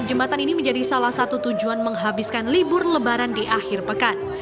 jembatan ini menjadi salah satu tujuan menghabiskan libur lebaran di akhir pekan